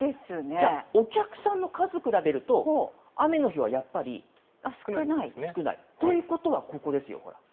じゃあ、お客さんの数比べると、雨の日はやっぱり。少ないということは、ここですよ、ここ。